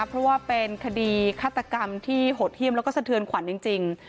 เพราะว่าเป็นคดีฆาตกรรมที่โหดเยี่ยมแล้วก็สะเทือนขวัญจริง